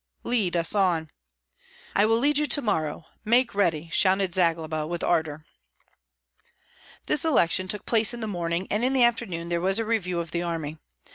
lead us on!" "I will lead you to morrow! Make ready!" shouted Zagloba, with ardor. This election took place in the morning, and in the afternoon there was a review of the army.